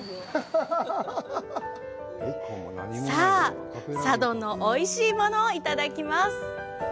さあ、佐渡のおいしいものいただきます。